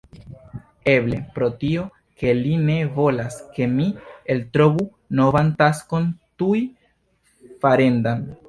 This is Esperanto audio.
Eble, pro tio ke li ne volas ke mi eltrovu novan taskon tuj farendan.